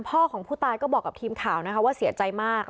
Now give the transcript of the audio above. พ่อของผู้ตายก็บอกกับทีมข่าวนะคะว่าเสียใจมาก